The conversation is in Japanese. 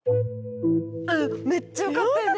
うんめっちゃよかったよね。